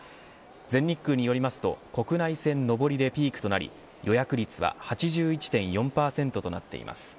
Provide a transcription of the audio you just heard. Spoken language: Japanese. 全日空によりますと国内線上りでピークとなり予約率は８１．４％となっています。